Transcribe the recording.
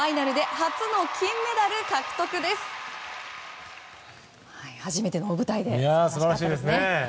初めての大舞台で素晴らしかったですね。